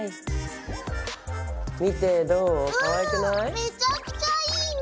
めちゃくちゃいいね！